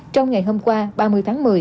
trong ngày hôm qua ba mươi tháng một mươi